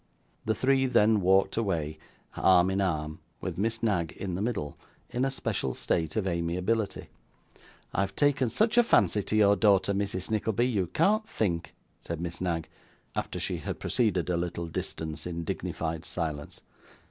The three then walked away, arm in arm: with Miss Knag in the middle, in a special state of amiability. 'I have taken such a fancy to your daughter, Mrs. Nickleby, you can't think,' said Miss Knag, after she had proceeded a little distance in dignified silence.